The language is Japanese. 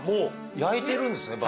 焼いてるんですね